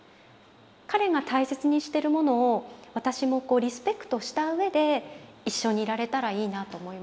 彼が大切にしてるものを私もリスペクトしたうえで一緒にいられたらいいなと思います。